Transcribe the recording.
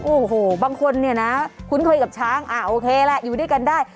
โอ้โหบางคนเนี่ยนะคุ้นเคยกับช้างอ่าโอเคแหละอยู่ด้วยกันได้